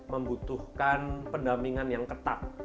membutuhkan pendamingan yang ketat